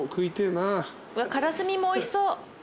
うわっからすみもおいしそう。